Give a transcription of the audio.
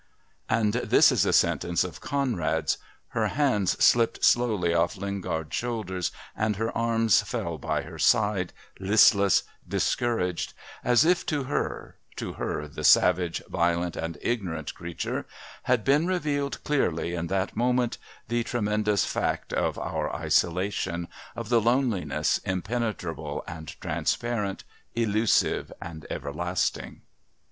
and this a sentence of Conrad's: "Her hands slipped slowly off Lingard's shoulders and her arms fell by her side, listless, discouraged, as if to her to her, the savage, violent and ignorant creature had been revealed clearly in that moment the tremendous fact of our isolation, of the loneliness, impenetrable and transparent, elusive and everlasting."